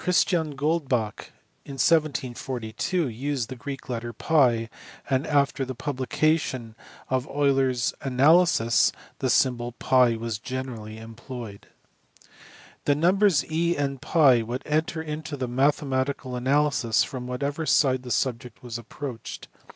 Goldbach in 1742 used TT; and after the publication of Euler s Analysis the symbol TT was generally employed. The numbers e and TT would enter into mathematical analysis from whatever side the subject was approached.